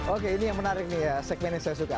oke ini yang menarik nih ya segmen yang saya suka